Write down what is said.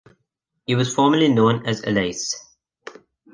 It was formerly known as "Alais".